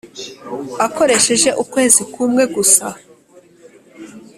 akoresheje ukwezi kumwe gusa